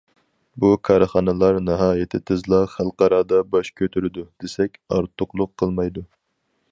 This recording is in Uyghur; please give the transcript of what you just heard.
بۇ كارخانىلار ناھايىتى تېزلا خەلقئارادا باش كۆتۈرىدۇ دېسەك ئارتۇقلۇق قىلمايدۇ.